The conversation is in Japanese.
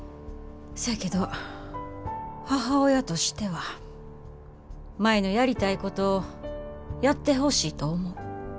そやけど母親としては舞のやりたいことやってほしいと思う。